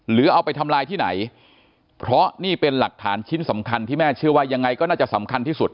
หรือเอาไปทำลายที่ไหนเพราะนี่เป็นหลักฐานชิ้นสำคัญที่แม่เชื่อว่ายังไงก็น่าจะสำคัญที่สุด